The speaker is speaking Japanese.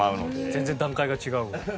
全然段階が違うわ。